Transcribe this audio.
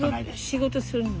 仕事するの？